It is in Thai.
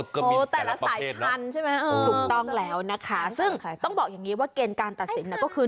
ก็มีแต่ละประเภทนะถูกต้องแล้วนะคะซึ่งต้องบอกอย่างนี้ว่าเกณฑ์การตัดสินก็คือ